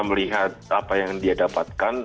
melihat apa yang dia dapatkan